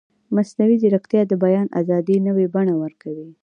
مصنوعي ځیرکتیا د بیان ازادي نوې بڼه ورکوي.